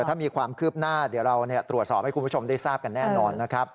ถ้ามีความคืบหน้าเดี๋ยวเราตรวจสอบให้คุณผู้ชมได้ทราบกันแน่นอนนะครับ